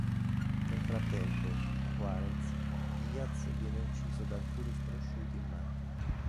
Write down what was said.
Nel frattempo, a Juárez, Díaz viene ucciso da alcuni sconosciuti in macchina.